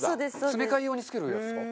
詰め替え用に付けるやつですか？